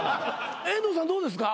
遠藤さんどうですか？